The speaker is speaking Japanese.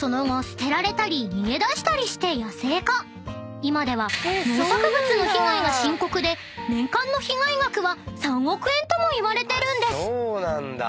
［今では農作物の被害が深刻で年間の被害額は３億円ともいわれてるんです］